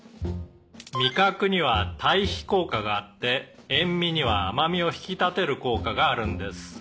「味覚には対比効果があって塩味には甘味を引き立てる効果があるんです」